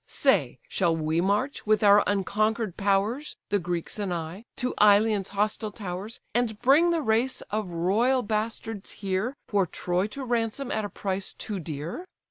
Say, shall we march with our unconquer'd powers (The Greeks and I) to Ilion's hostile towers, And bring the race of royal bastards here, For Troy to ransom at a price too dear?